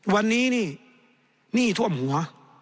วันนี้นี่หนี้ท่วมหัว